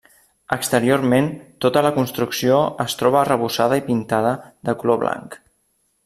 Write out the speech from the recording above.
Exteriorment, tota la construcció es troba arrebossada i pintada de color blanc.